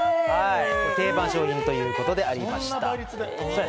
定番商品ということでありました。